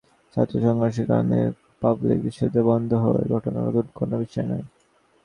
ছাত্র সংঘর্ষের কারণে পাবলিক বিশ্ববিদ্যালয় বন্ধ হওয়ার ঘটনা নতুন কোনো বিষয় নয়।